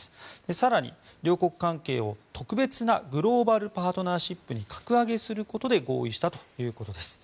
更に両国関係を、特別なグローバルパートナーシップに格上げすることで合意したということです。